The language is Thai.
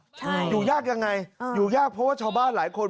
ใช่อยู่ยากยังไงอยู่ยากเพราะว่าชาวบ้านหลายคน